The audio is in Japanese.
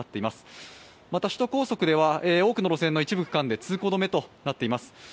また首都高速では多くの路線の一部区間で通行止めとなっています。